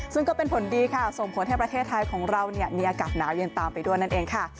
ซึ่งก็เป็นผลดีค่ะส่งผลให้ประเทศไทยของเรามีอากาศหนาวเย็นตามไปด้วยนั่นเองค่ะ